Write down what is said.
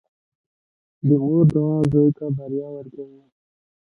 • د مور دعا زوی ته بریا ورکوي.